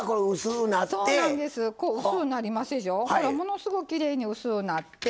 ほらものすごいきれいに薄うなって。